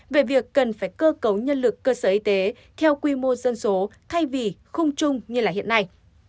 về việc cần phải cơ cấu nhân lực cơ sở y tế theo quy mô dân số thay vì khung chung như hiện nay